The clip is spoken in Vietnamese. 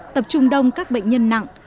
tập trung đông các bệnh nhân nặng